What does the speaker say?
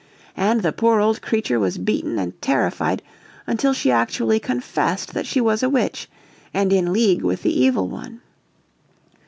And the poor old creature was beaten and terrified until she actually confessed that she was a witch, and in league with the Evil One.